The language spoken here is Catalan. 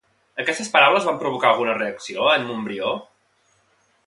Aquestes paraules van provocar alguna reacció a en Montbrió?